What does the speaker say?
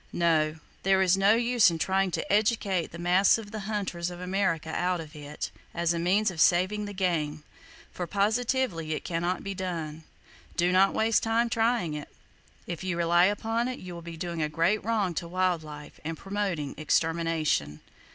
No: there is no use in trying to "educate" the mass of the hunters of America out of it, as a means of saving the game; for positively it can not be done! Do not waste time in trying it. If you rely upon it, you will be doing a great wrong to wild life, and promoting extermination.